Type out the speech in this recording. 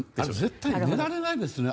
絶対寝られないですよね